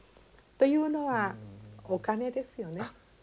というのはお金ですよね。